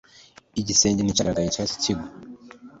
Igisenge nticyagaragayecyahise kigwa